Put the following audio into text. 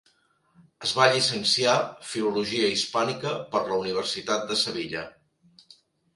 Es va llicenciar Filologia Hispànica per la Universitat de Sevilla.